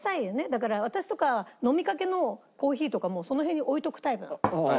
だから私とか飲みかけのコーヒーとかもその辺に置いとくタイプなの次の日の朝とかまで。